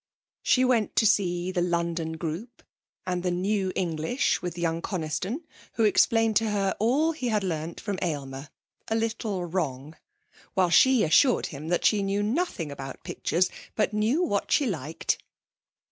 She went to see the 'London Group' and the 'New English' with young Coniston, who explained to her all he had learnt from Aylmer, a little wrong; while she assured him that she knew nothing about pictures, but she knew what she liked.